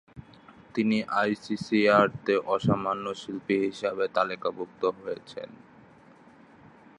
তিনি আইসিসিআর-তে ‘অসামান্য শিল্পী’ হিসাবে তালিকাভুক্ত হয়েছেন।